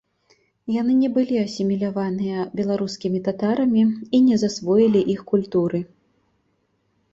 Яны не былі асіміляваныя беларускімі татарамі і не засвоілі іх культуры.